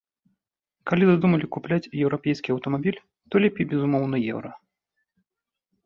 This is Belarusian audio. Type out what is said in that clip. Калі задумалі купляць еўрапейскі аўтамабіль, то лепей, безумоўна, еўра.